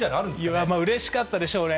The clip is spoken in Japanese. いやまあ、うれしかったでしょうね。